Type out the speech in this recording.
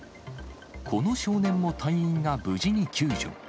この少年も隊員が無事に救助。